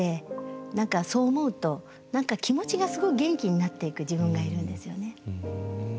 何かそう思うと何か気持ちがすごい元気になっていく自分がいるんですよね。